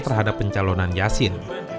terhadap pencalonan yasin